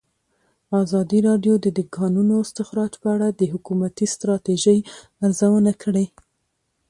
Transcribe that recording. ازادي راډیو د د کانونو استخراج په اړه د حکومتي ستراتیژۍ ارزونه کړې.